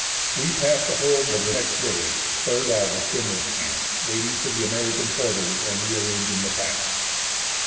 We passed the whole of the next day (3rd August) in this camp, waiting for the American porters and re arranging the packs.